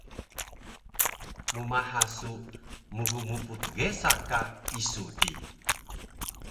mmaha su mgmptgesa ka isu di